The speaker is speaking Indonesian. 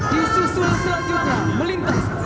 disusul selanjutnya melintas